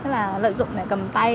lợi dụng để cầm tay